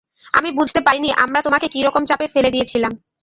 আমি বুঝতে পারিনি আমরা তোমাকে কিরকম চাপে ফেলে দিয়েছিলাম।